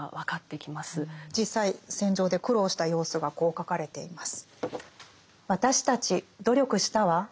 実際戦場で苦労した様子がこう書かれています。